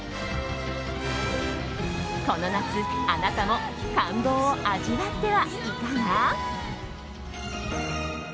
この夏、あなたも感動を味わってはいかが？